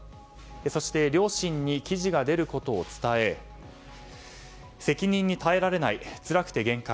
そして、両親に記事が出ることを伝え責任に耐えられないつらくて限界。